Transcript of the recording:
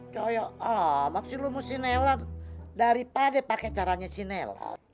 coyok maksud lu mau sinelan daripada pakai caranya sinelan